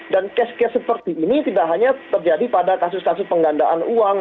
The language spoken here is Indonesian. dan case case seperti ini tidak hanya terjadi pada kasus kasus penggandaan uang